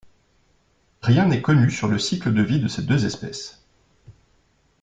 Rien n'est connu sur le cycle de vie de ces deux espèces.